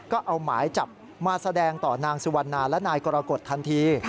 ก็เอาหมายจับมาแสดงต่อนางสุวรรณาและนายกรกฎทันที